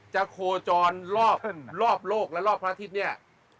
โคจรรอบโลกและรอบพระอาทิตย์เนี่ย